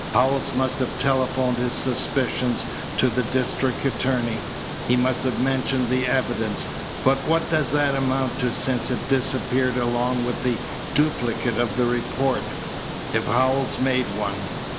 "Howells must have telephoned his suspicions to the district attorney. He must have mentioned the evidence, but what does that amount to since it's disappeared along with the duplicate of the report, if Howells made one?"